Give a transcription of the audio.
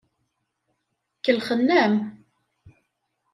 Kellxen-am.